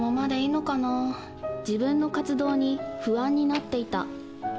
自分の活動に不安になっていた